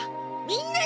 みんな。